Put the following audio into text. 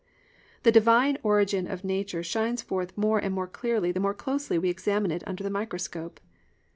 The Divine origin of nature shines forth more and more clearly the more closely we examine it under the microscope.